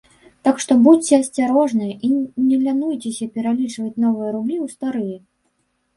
Так што будзьце асцярожныя і не лянуйцеся пералічваць новыя рублі ў старыя.